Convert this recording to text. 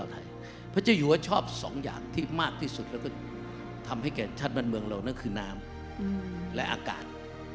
ทำให้แก่ชาติประชาชนเมืองเรานั้นคือน้ำและอากาศ